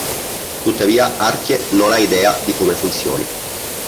Tuttavia, Artie non ha idea di come funzioni.